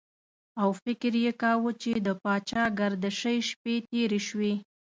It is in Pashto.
او فکر یې کاوه چې د پاچاګردشۍ شپې تېرې شوې.